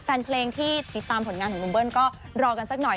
แฟนเพลงที่ติดตามผลงานของหนุ่มเบิ้ลก็รอกันสักหน่อย